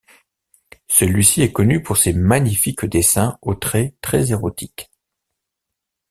Celui-ci est connu pour ses magnifiques dessins au trait très érotique.